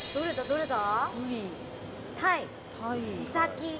どれだ？